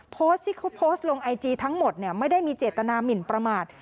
โพสต์ที่เขาโพสต์ลงไอจีทั้งหมดไม่ได้มีเจตนามินประมาท